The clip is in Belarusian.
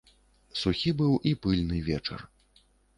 Сухі быў і пыльны вечар.